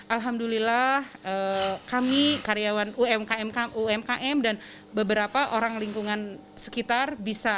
alhamdulillah kami karyawan umkm dan beberapa orang lingkungan sekitar bisa